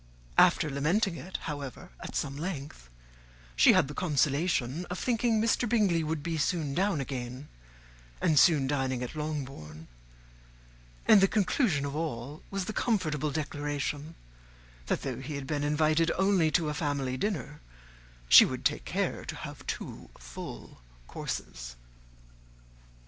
After lamenting it, however, at some length, she had the consolation of thinking that Mr. Bingley would be soon down again, and soon dining at Longbourn; and the conclusion of all was the comfortable declaration, that, though he had been invited only to a family dinner, she would take care to have two full courses.